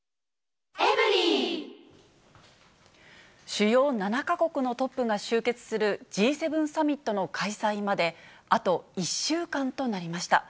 主要７か国のトップが集結するＧ７サミットの開催まで、あと１週間となりました。